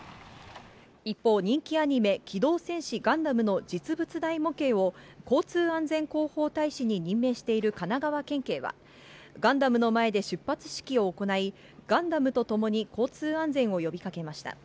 一方、人気アニメ、機動戦士ガンダムの実物大模型を交通安全広報大使に任命している神奈川県警は、ガンダムの前で出発式を行い、ガンダムと共に交通安全を呼びかけました。